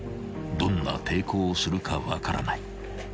［どんな抵抗をするか分からない］